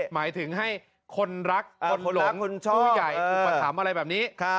หมายถึงให้คนรักคนรักคนชอบผู้ใหญ่อุปสรรพ์อะไรแบบนี้ครับ